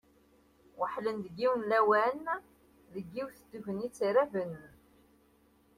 Weḥlen deg yiwen n lawan, deg yiwet n tegnit raben.